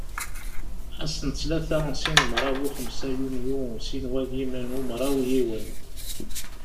Ass n ttlata sin mraw u xemsa yunyu sin n wagimen u mraw yiwen.